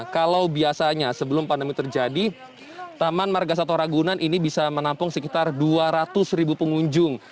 kalau biasanya sebelum pandemi terjadi taman marga satwa ragunan ini bisa menampung sekitar dua ratus ribu pengunjung